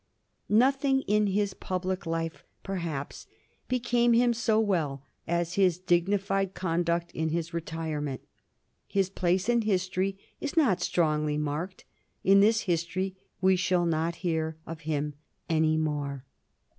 Nothing in his public life, perhaps, became him so well as his dignified con duct in his retirement. His place in history is not strongly marked ; in this history we shall not hear of him any more.